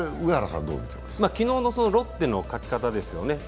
昨日のロッテの勝ち方ですよね。